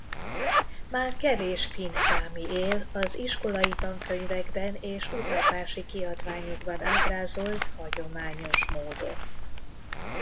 Már kevés finn számi él az iskolai tankönyvekben és utazási kiadványokban ábrázolt hagyományos módon.